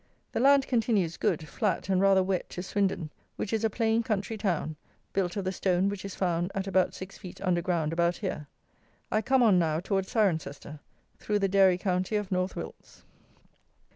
The land continues good, flat and rather wet to Swindon, which is a plain country town, built of the stone which is found at about 6 feet under ground about here. I come on now towards Cirencester, thro' the dairy county of North Wilts.